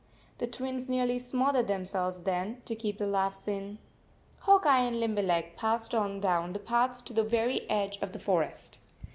The Twins nearly smothered themselves then, to keep the laughs in. Hawk Eye and Limberleg passed on down the path to the very edge of the forest.